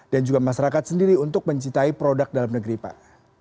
dan juga masyarakat sendiri untuk mencintai produk dalam negeri pak